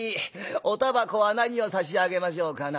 おたばこは何を差し上げましょうかな」。